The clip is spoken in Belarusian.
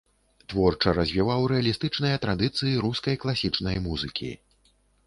Творча развіваў рэалістычныя традыцыі рускай класічнай музыкі.